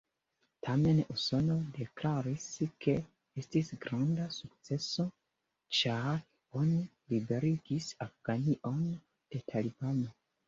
Tamen Usono deklaris, ke estis granda sukceso, ĉar oni liberigis Afganion de talibano.